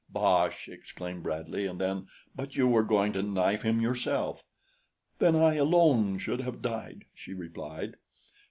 "Bosh!" exclaimed Bradley, and then: "But you were going to knife him yourself." "Then I alone should have died," she replied.